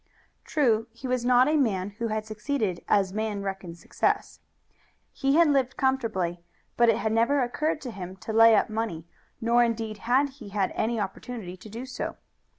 True he was not a man who had succeeded as man reckons success. He had lived comfortably, but it had never occurred to him to lay up money, nor indeed had he had any opportunity to do so.